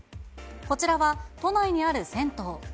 こちらは、都内にある銭湯。